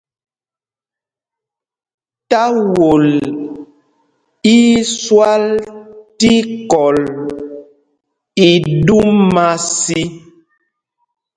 Táwol í í swal tí kɔl í ɗúma sī.